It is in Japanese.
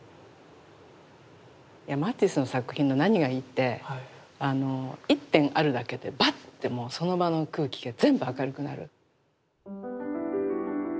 マティスの作品の何がいいって１点あるだけでバッてもうその場の空気が全部明るくなる。